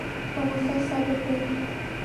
په غوسه صبر کوي.